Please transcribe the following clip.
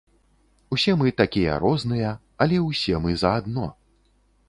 Усе мы такія розныя, але ўсе мы заадно.